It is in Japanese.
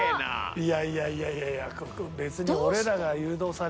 いやいやいやいやいや別に。